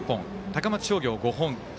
高松商業、５本。